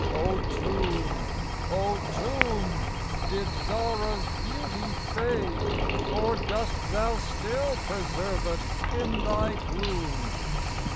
O Tomb, O Tomb! did Zahra's beauty fade, Or dost thou still preserve it in thy gloom?